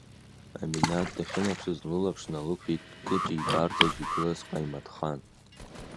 Аминаҭ дахьынаԥшыз, лылаԥш налықәшәеит Кыҷа ибарҵаҿ игылаз Ҟаимаҭхан.